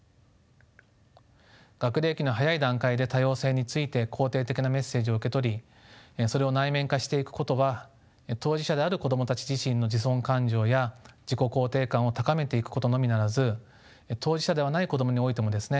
学齢期の早い段階で多様性について肯定的なメッセージを受け取りそれを内面化していくことは当事者である子供たち自身の自尊感情や自己肯定感を高めていくことのみならず当事者ではない子供においてもですね